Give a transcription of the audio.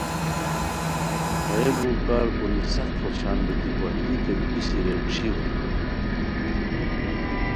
ہیہ ُلوؤ کار کوری سخت خوشان بیتی وشلی تھے بیسی رے ݯھییو ہوئے